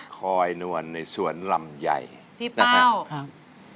คอยนวนในสวนลำใหญ่พี่เป้าครับ